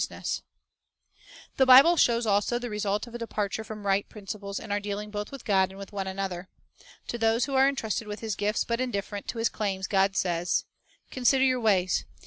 \ Fruitless Venture Business Principles and Methods 143 The Bible shows also the result of a departure from right principles in our dealing both with God and with one another. To those who are entrusted with His gifts but indifferent to His claims, God says: — "Consider your ways.